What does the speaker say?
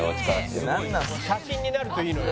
「写真になるといいのよ」